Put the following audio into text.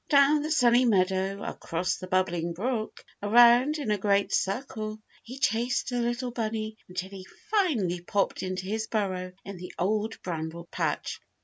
Down the Sunny Meadow, across the Bubbling Brook, around in a great circle, he chased the little bunny until he finally popped into his burrow in the Old Bramble Patch.